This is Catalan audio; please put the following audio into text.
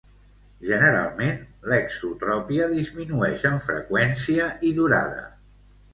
Generalment, l'exotropia disminueix en freqüència i durada.